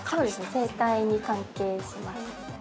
◆生態に関係します。